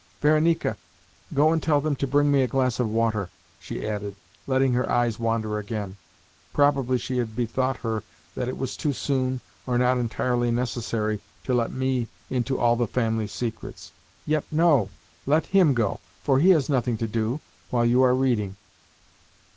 Varenika, go and tell them to bring me a glass of water," she added, letting her eyes wander again. Probably she had bethought her that it was too soon, or not entirely necessary, to let me into all the family secrets. "Yet no let HIM go, for he has nothing to do, while you are reading.